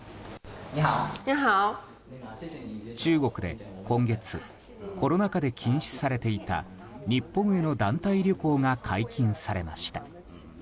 中国で今月コロナ禍で禁止されていた日本への団体旅行が解禁されました。